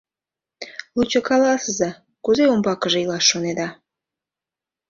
Лучо каласыза, кузе умбакыже илаш шонеда?